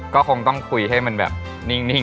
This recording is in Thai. ก็คงต้องคุยให้มันแบบนิ่ง